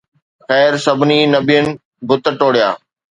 خير، سڀني نبين بت ٽوڙيا.